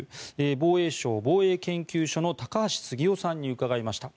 防衛省防衛研究所の高橋杉雄さんに伺いました。